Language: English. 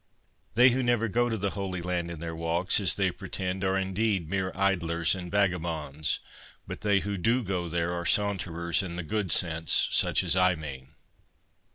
They who never go to the Holy Land in their walks, as they pretend, are indeed mere idlers and vagabonds ; but they who do go there are saunterers in the good sense, such as I mean.